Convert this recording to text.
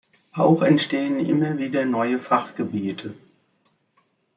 Auch entstehen immer wieder neue Fachgebiete.